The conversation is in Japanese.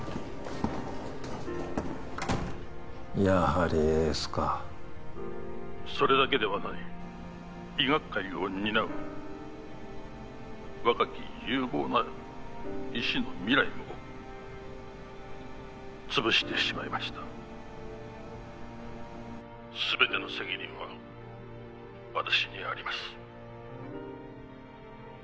やはりエースかそれだけではない医学界を担う若き有望な医師の未来も潰してしまいましたすべての責任は私にあります